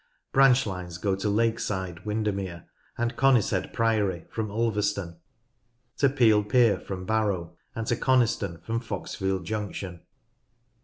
Branch lines go to Lake Side Windermere, and Conishead Priory from Ulverston, to Piel Pier from Barrow, and to Coniston from Foxfield Junction.